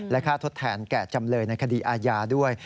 ค่าทดแทนแก่จำเลยในคดีอาญาด้วย